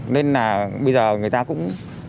nên là bây giờ người ta cũng